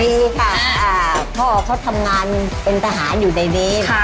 ดีค่ะพ่อเขาทำงานเป็นทหารอยู่ในนี้